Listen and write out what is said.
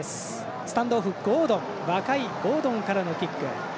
スタンドオフ若いゴードンからのキック。